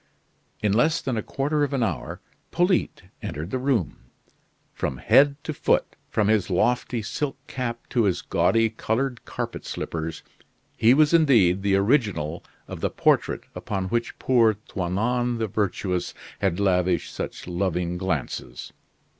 In less than a quarter of an hour Polyte entered the room. From head to foot, from his lofty silk cap to his gaudy colored carpet slippers, he was indeed the original of the portrait upon which poor Toinon the Virtuous had lavished such loving glances.